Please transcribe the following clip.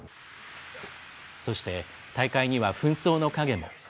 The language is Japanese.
そして、大会には紛争の影も。